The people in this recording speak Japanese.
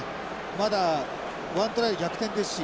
まだ１トライで逆転ですし。